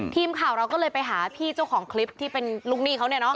ทีมข่าวเราก็เลยไปหาพี่เจ้าของคลิปที่เป็นลูกหนี้เขาเนี่ยเนาะ